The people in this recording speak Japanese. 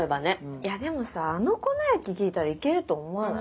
いやでもさあの『粉雪』聴いたらいけると思わない？